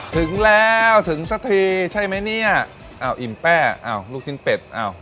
ถึงแล้วถึงสักทีใช่ไหมเนี่ยอ้าวอิ่มแป้อ้าวลูกชิ้นเป็ดอ้าว